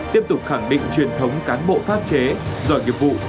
tiếp tục khẳng định truyền thống cán bộ pháp chế giỏi nghiệp vụ